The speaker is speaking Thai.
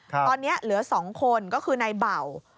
ตอนนี้เหลือ๒คนก็คือนายเบ่า